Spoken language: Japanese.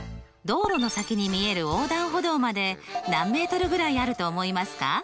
道路の先に見える横断歩道まで何メートルぐらいあると思いますか？